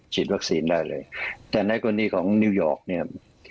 วัคซีนได้เลยแต่ในกรณีของนิวยอร์กเนี่ย